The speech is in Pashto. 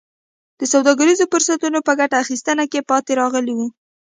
د سوداګریزو فرصتونو په ګټه اخیستنه کې پاتې راغلي وو.